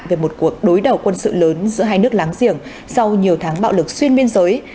về một cuộc đối đầu quân sự lớn giữa hai nước láng giềng sau nhiều tháng bạo lực xuyên biên giới